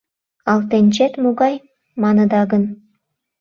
Алтенчет могай, маныда гын, -